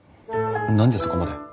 何でそこまで。